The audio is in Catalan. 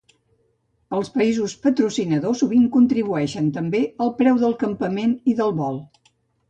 Els països patrocinadors sovint contribueixen també al preu del campament i del vol.